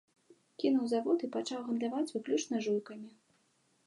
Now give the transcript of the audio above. Кінуў завод і пачаў гандляваць выключна жуйкамі.